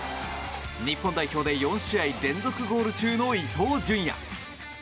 日本代表で４試合連続ゴール中の伊東純也。